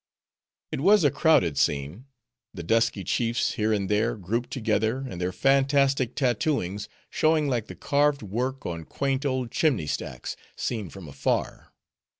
It was a crowded scene; the dusky chiefs, here and there, grouped together, and their fantastic tattooings showing like the carved work on quaint old chimney stacks, seen from afar.